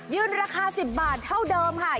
ราคา๑๐บาทเท่าเดิมค่ะ